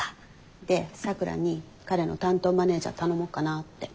で咲良に彼の担当マネージャー頼もうかなって。